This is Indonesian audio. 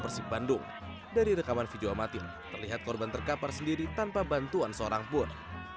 persib bandung dari rekaman video amatin terlihat korban terkapar sendiri tanpa bantuan seorang pun